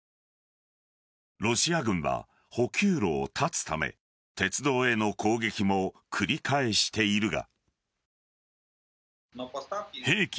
ロシア軍は補給路を断つため鉄道への攻撃も繰り返しているが。